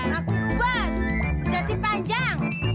naku bos udah si panjang